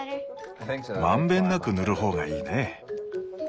満遍なく塗る方がいいね。